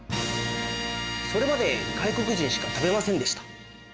それまで外国人しか食べませんでした。